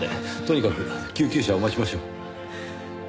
とにかく救急車を待ちましょう。